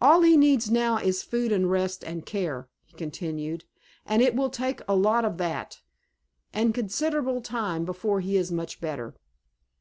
"All he needs now is food and rest and care," he continued, "and it will take a lot of that, and considerable time before he is much better."